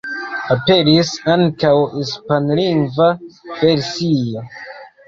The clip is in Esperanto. Aperis ankaŭ hispanlingva versio.